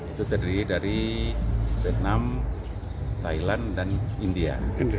itu terdiri dari vietnam thailand dan india